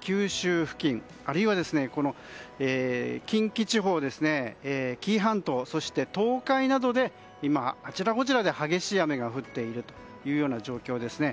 九州付近あるいは近畿地方、紀伊半島そして、東海などで今、あちらこちで激しい雨が降っているという状況ですね。